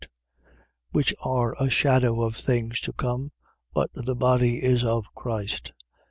Which are a shadow of things to come: but the body is of Christ.